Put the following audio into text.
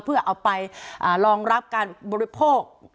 เพื่อเอาไปรองรับการบริโภค